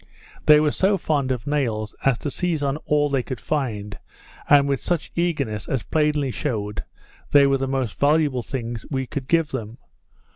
They were so fond of nails, as to seize on all they could find, and with such eagerness, as plainly shewed they were the most valuable things we could give them.